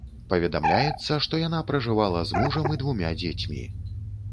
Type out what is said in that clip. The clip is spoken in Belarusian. Паведамляецца, што яна пражывала з мужам і двума дзецьмі.